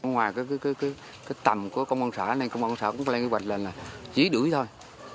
ngoài cái tầm của công an xã này công an xã cũng có lẽ kế hoạch là chỉ đuổi thôi